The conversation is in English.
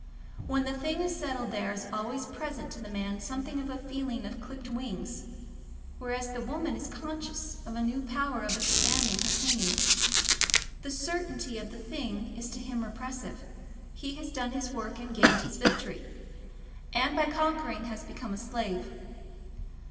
When the thing is settled there is always present to the man something of a feeling of clipped wings; whereas the woman is conscious of a new power of expanding her pinions. The certainty of the thing is to him repressive. He has done his work, and gained his victory, and by conquering has become a slave.